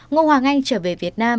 ngô hoàng anh trở về việt nam